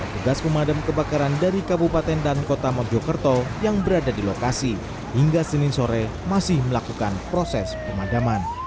tugas pemadam kebakaran dari kabupaten dan kota mojokerto yang berada di lokasi hingga senin sore masih melakukan proses pemadaman